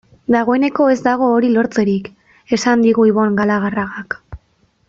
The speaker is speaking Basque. Dagoeneko ez dago hori lortzerik, esan digu Ibon Galarragak.